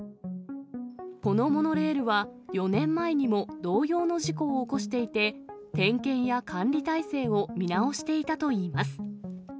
このモノレールは、４年前にも同様の事故を起こしていて、点検や管理体制を見直していたといいます。